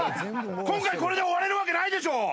今回これで終われるわけないでしょ！